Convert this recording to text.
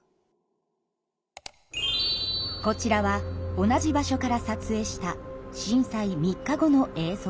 こちらは同じ場所から撮影した震災３日後の映像です。